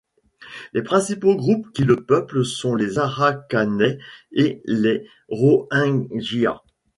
Les principaux groupes qui le peuplent sont les Arakanais et les Rohingya.